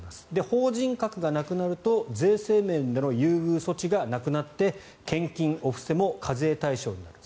法人格がなくなると税制面での優遇措置がなくなって献金・お布施も課税対象になる。